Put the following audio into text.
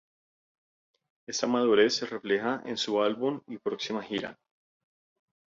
Esta madurez se refleja en su álbum y próxima gira.